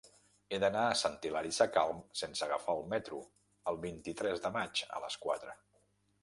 He d'anar a Sant Hilari Sacalm sense agafar el metro el vint-i-tres de maig a les quatre.